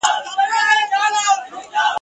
اشرف المخلوقات ..